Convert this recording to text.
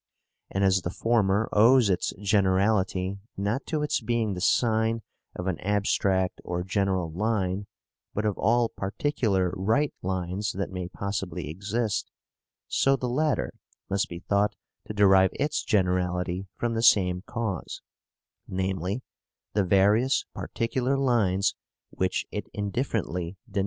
And as the former owes its generality not to its being the sign of an abstract or general line, but of all particular right lines that may possibly exist, so the latter must be thought to derive its generality from the same cause, namely, the various particular lines which it indifferently denotes."